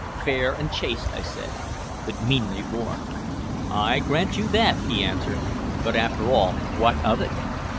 "Fair and chaste," I said, "but meanly born." "I grant you that," he answered. "But after all, what of it?